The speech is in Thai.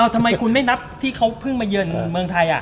ทำไมคุณไม่นับที่เขาเพิ่งมาเยือนเมืองไทย